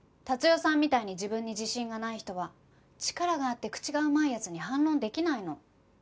達代さんみたいに自分に自信がない人は力があって口がうまい奴に反論できないの。